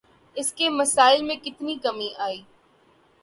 اس کے مسائل میں کتنی کمی آئی؟